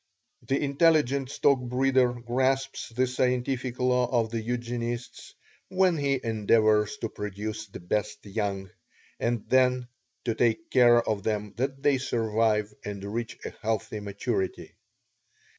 The intelligent stockbreeder grasps this scientific law of the Eugenists when he endeavors to produce the best young, and then to take care of them that they survive and reach a healthy maturity.